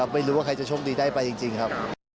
ไม่รู้ว่าใครจะโชคดีได้ไปจริงครับ